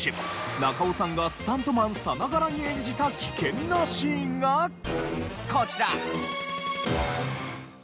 中尾さんがスタントマンさながらに演じた危険なシーンがこちら！